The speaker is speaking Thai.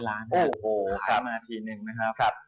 ๓๘๐๐ล้านขายมาทีนึงนะครับ